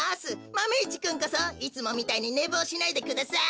マメ１くんこそいつもみたいにねぼうしないでください。